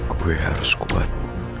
gue harus kuat